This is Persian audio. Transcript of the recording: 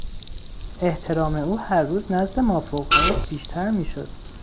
احترام او هر روز نزد مافوقهایش بیشتر میشد.